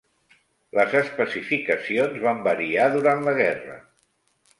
Les especificacions van variar durant la guerra.